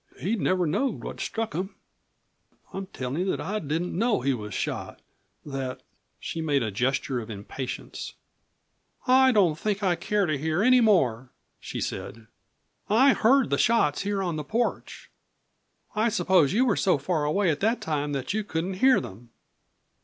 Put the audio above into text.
He'd never knowed what struck him. I'm tellin' you that I didn't know he was shot; that " She made a gesture of impatience. "I don't think I care to hear any more," she said. "I heard the shots here on the porch. I suppose you were so far away at that time that you couldn't hear them?"